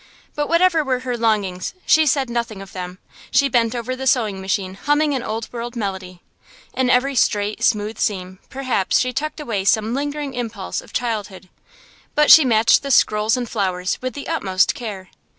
But whatever were her longings, she said nothing of them; she bent over the sewing machine humming an Old World melody. In every straight, smooth seam, perhaps, she tucked away some lingering impulse of childhood; but she matched the scrolls and flowers with the utmost care.